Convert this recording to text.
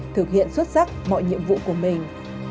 thực hiện xuất sắc mọi nhiệm vụ của mình